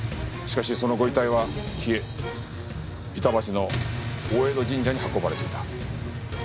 しかしそのご遺体は消え板橋の大江戸神社に運ばれていた。